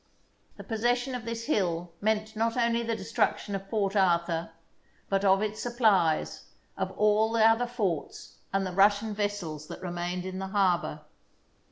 The possession of this hill meant not only the destruction of Port Arthur, but of its supplies, of all the other forts and the Russian vessels that re mained in the harbour.